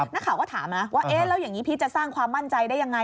นักข่าวก็ถามนะว่าเอ๊ะแล้วอย่างนี้พี่จะสร้างความมั่นใจได้ยังไง